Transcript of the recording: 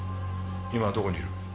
今どこにいる？